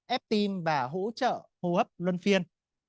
ép tim và hỗ trợ hô hấp luân phiên